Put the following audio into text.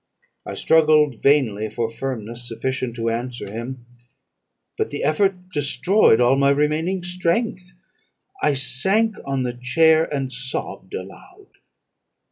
I struggled vainly for firmness sufficient to answer him, but the effort destroyed all my remaining strength; I sank on the chair, and sobbed aloud.